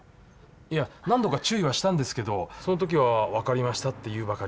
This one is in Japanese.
いや何度か注意はしたんですけどその時は「分かりました」って言うばかりで。